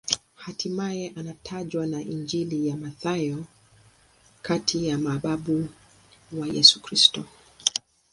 Hatimaye anatajwa na Injili ya Mathayo kati ya mababu wa Yesu Kristo.